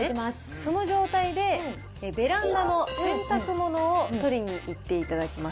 その状態で、ベランダの洗濯物を取りに行っていただきます。